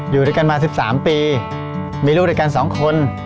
อยู่ด้วยกันมา๑๓ปีมีลูกด้วยกัน๒คน